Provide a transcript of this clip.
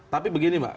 tapi begini mbak